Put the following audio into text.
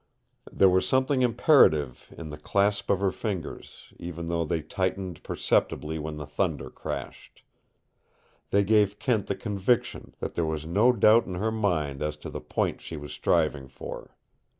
There was something imperative in the clasp of her fingers, even though they tightened perceptibly when the thunder crashed. They gave Kent the conviction that there was no doubt in her mind as to the point she was striving for.